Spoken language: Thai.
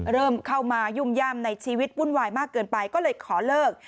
เริ่มเข้ามายุ่มย่ำในชีวิตวุ่นวายมากเกินไปก็เลยขอเลิก